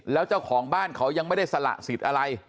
แล้วเจ้าของบ้านเขายังไม่ได้สละสิทธิ์อะไร